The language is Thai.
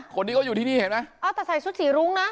คนที่เขาอยู่ที่นี่เห็นไหมอ๋อแต่ใส่ชุดสีรุ้งนะ